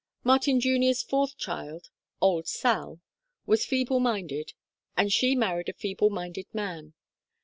Martin Jr.'s fourth child, "Old Sal" (Chart IV), was feeble minded and she married a feeble minded man.